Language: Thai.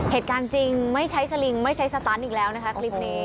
เหตุการณ์จริงไม่ใช้สลิงไม่ใช้สตันอีกแล้วนะคะคลิปนี้